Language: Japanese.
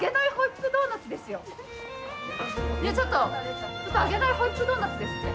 ちょっと揚げないホイップドーナツですって。